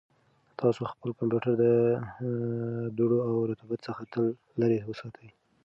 تاسو خپل کمپیوټر د دوړو او رطوبت څخه تل لرې وساتئ.